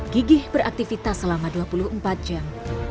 gigih beraktivitas selama dua puluh empat jam